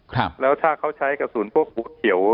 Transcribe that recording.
ครับแล้วถ้าเขาใช้กระสุนพวกหัวเขียว